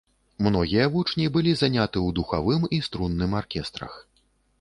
Многія вучні былі заняты ў духавым і струнным аркестрах.